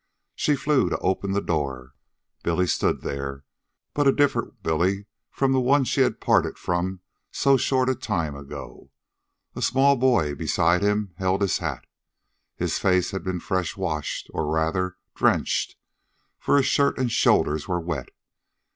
She flew to open the door. Billy stood there, but a different Billy from the one she had parted from so short a time before. A small boy, beside him, held his hat. His face had been fresh washed, or, rather, drenched, for his shirt and shoulders were wet.